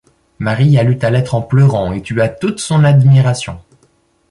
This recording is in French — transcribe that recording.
Marie a lu ta lettre en pleurant, et tu as toute son admiration.